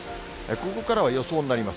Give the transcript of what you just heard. ここからは予想になります。